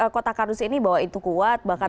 kotak kardus ini bahwa itu kuat bahkan